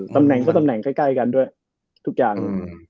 ตำแหน่งก็ตำแหน่งใกล้กันด้วยทุกอย่าง